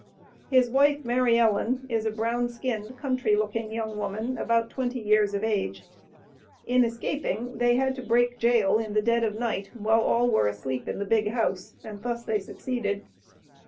His wife, Mary Ellen, is a brown skinned, country looking young woman, about twenty years of age. In escaping, they had to break jail, in the dead of night, while all were asleep in the big house; and thus they succeeded.